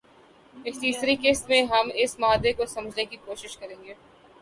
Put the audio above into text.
اس تیسری قسط میں ہم اس معاہدے کو سمجھنے کی کوشش کریں گے